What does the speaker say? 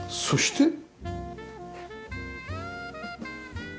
そして。